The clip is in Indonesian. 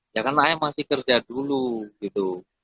ya karena ayah masih kerja dulu gitu